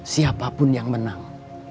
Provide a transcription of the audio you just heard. siapapun yang menang